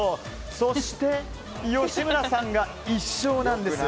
そして、吉村さんが１勝なんです。